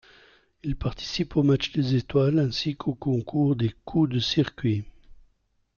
Il participe au match des étoiles ainsi qu'au concours de coups de circuits.